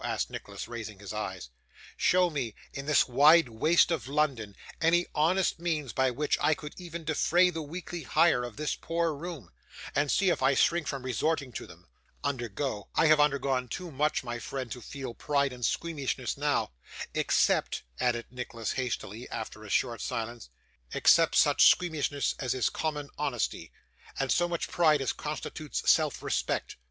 asked Nicholas, raising his eyes. 'Show me, in this wide waste of London, any honest means by which I could even defray the weekly hire of this poor room, and see if I shrink from resorting to them! Undergo! I have undergone too much, my friend, to feel pride or squeamishness now. Except ' added Nicholas hastily, after a short silence, 'except such squeamishness as is common honesty, and so much pride as constitutes self respect.